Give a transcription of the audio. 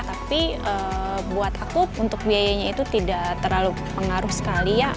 tapi buat aku untuk biayanya itu tidak terlalu pengaruh sekali ya